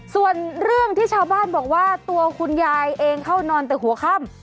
ส่วนเรื่องที่ชาวบ้านบอกว่าตัวคุณยายเองเข้านอนแต่หัวค่ำ